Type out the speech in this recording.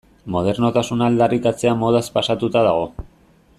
Modernotasuna aldarrikatzea modaz pasatuta dago.